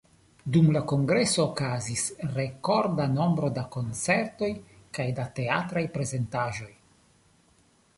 Dum la Kongreso okazis rekorda nombro da koncertoj kaj da teatraj prezentaĵoj.